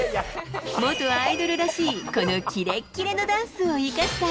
元アイドルらしい、このキレッキレのダンスを生かした。